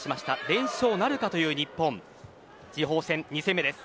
連勝なるかという日本です。